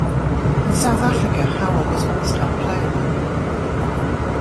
In South Africa Howell was almost unplayable.